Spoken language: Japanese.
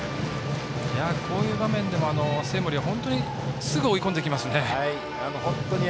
こういう場面でも生盛は、本当にすぐに追い込んできますね。